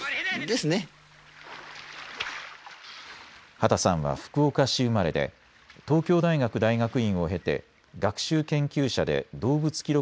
畑さんは福岡市生まれで東京大学大学院を経て学習研究社で動物記録